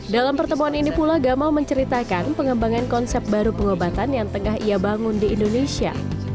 dalam pertemuan ini pula gamal menceritakan pengembangan konsep baru pengobatan yang tengah ia bangun di indonesia